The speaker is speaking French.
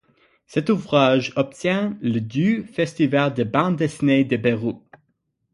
Cet ouvrage obtient le du festival de bande dessinée de Beyrouth.